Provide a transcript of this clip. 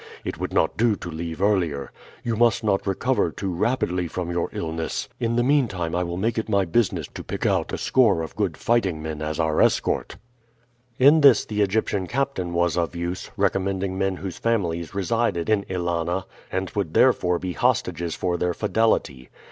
It would not do to leave earlier. You must not recover too rapidly from your illness. In the meantime I will make it my business to pick out a score of good fighting men as our escort." In this the Egyptian captain was of use, recommending men whose families resided in Ælana, and would therefore be hostages for their fidelity.